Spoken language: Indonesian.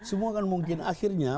semua akan mungkin akhirnya